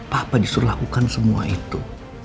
papa disuruh lakukan semua itu